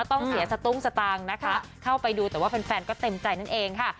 ต้องเสียสตุ้งสตางค์นะคะเข้าไปดูแต่ว่าแฟนก็เต็มใจนั่นเองค่ะ